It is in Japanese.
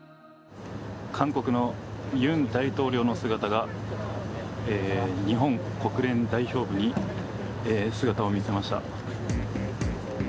韓国の尹大統領の姿が日本国連代表部に姿を見せました。